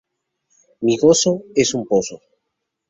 Mi gozo, en un pozo